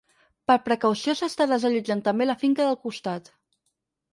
Per precaució s’està desallotjant també la finca del costat.